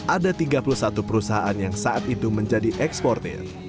ada tiga puluh satu perusahaan yang saat itu menjadi eksportir